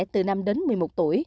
từ năm đến năm